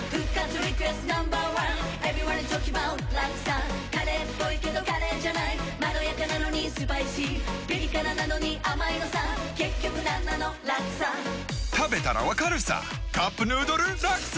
Ｎｏ．１Ｅｖｅｒｙｏｎｅｉｓｔａｌｋｉｎｇａｂｏｕｔラクサカレーっぽいけどカレーじゃないまろやかなのにスパイシーピリ辛なのに甘いのさ結局なんなのラクサ食べたら分かるさ「カップヌードルラクサ」！